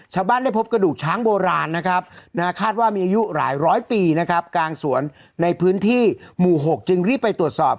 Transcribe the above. ชาวบ้านได้พบกระดูกช้างโบราณนะครับคาดว่ามีอายุหลายร้อยปีนะครับกลางสวนในพื้นที่หมู่๖จึงรีบไปตรวจสอบ